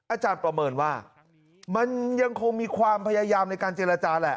อาจารย์ประเมินว่ามันยังคงมีความพยายามในการเจรจาแหละ